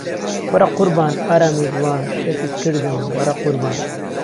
وهره قوربان ئارامی دڵان، شێتت کردم وهره قوربان